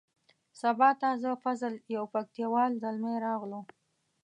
سبا ته زه فضل یو پکتیا وال زلمی راغلو.